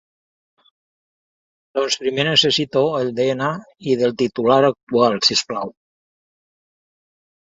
Doncs primer necessito el de-ena-i del titular actual, si us plau.